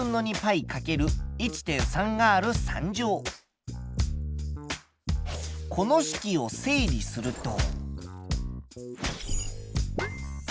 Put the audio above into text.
体積はこの式を整理すると。